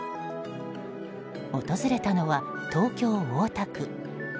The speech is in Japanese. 訪れたのは東京・大田区。